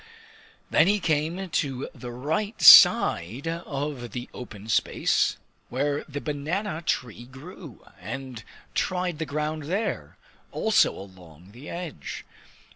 Then he came to the right side of the open space where the banana tree grew, and tried the ground there also along the edge.